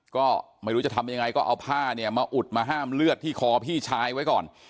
ก็ไม่รู้จะทำยังไงก็เอาผ้าเนี่ยมาอุดมาห้ามเลือดที่คอพี่ชายไว้ก่อน